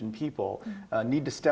harus bergerak dan berkata